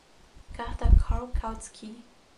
Carta a Karl Kautsky